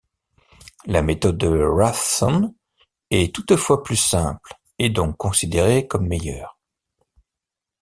La méthode de Raphson est toutefois plus simple et donc considérée comme meilleure.